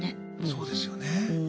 そうですよね。